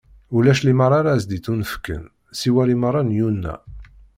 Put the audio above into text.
Ulac limaṛa ara s-d-ittunefken siwa limaṛa n Yuna.